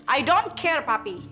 aku tak peduli papi